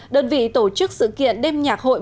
đơn vị tổ chức sự kiện đêm nhạc hội